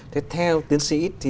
thế theo tiến sĩ